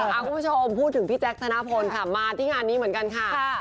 คุณผู้ชมพูดถึงพี่แจ๊คธนพลค่ะมาที่งานนี้เหมือนกันค่ะ